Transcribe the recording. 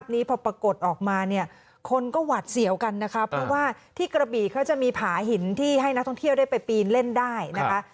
นี้พอปรากฏออกมาเนี่ยคนก็หวาดเสียวกันนะคะเพราะว่าที่กระบี่เขาจะมีผาหินที่ให้นักท่องเที่ยวได้ไปปีนเล่นได้นะคะ